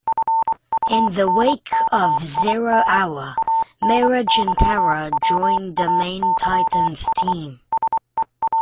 In the wake of "Zero Hour", Mirage and Terra join the main Titans team.